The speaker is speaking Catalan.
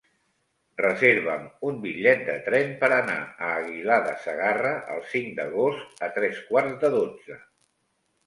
Reserva'm un bitllet de tren per anar a Aguilar de Segarra el cinc d'agost a tres quarts de dotze.